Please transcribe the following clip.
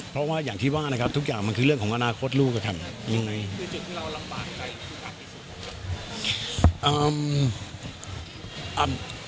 เพราะว่าอย่างที่ว่านะครับทุกอย่างมันคือเรื่องของอนาคตลูกกับท่านครับ